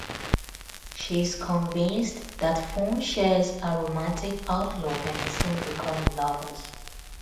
She is convinced that Foon shares her romantic outlook and they soon become lovers.